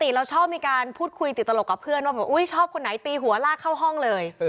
เราชอบมีการพูดคุยติดตลกกับเพื่อนว่าชอบคนไหนตีหัวลากเข้าห้องเลย